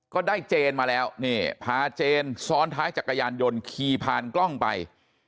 ก็ได้เจนมาแล้วนี่พาเจนซ้อนท้ายจักรยานยนต์ขี่ผ่านกล้องไป